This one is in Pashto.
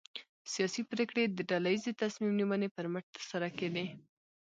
سیاسي پرېکړې د ډله ییزې تصمیم نیونې پر مټ ترسره کېدې.